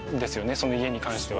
その家に関しては。